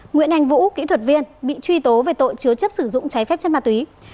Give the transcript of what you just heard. nguyễn anh vũ kỹ thuật viên bị truy tố về tội chứa chấp sử dụng trái phép chất ma túy